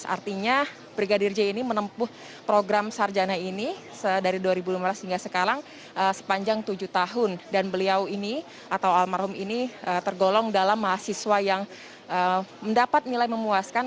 artinya brigadir j ini menempuh program sarjana ini dari dua ribu lima belas hingga sekarang sepanjang tujuh tahun dan beliau ini atau almarhum ini tergolong dalam mahasiswa yang mendapat nilai memuaskan